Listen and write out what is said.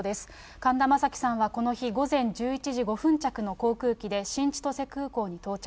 神田正輝さんはこの日、午前１１時５分着の航空機で新千歳空港に到着。